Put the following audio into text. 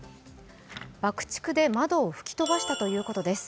爆竹で窓を吹き飛ばしたということです。